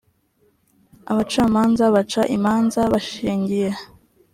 abacamanza baca imanza bashingiye